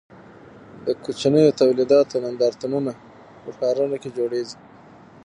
د کوچنیو تولیداتو نندارتونونه په ښارونو کې جوړیږي.